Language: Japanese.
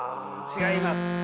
違います。